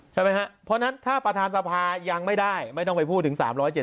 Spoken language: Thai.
เพราะฉะนั้นถ้าประธานสภายังไม่ได้ไม่ต้องไปพูดถึง๓๗๖